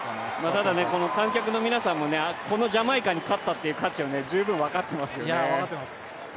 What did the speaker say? ただ観客の皆さんも、このジャマイカに勝ったという価値を十分分かっていますね。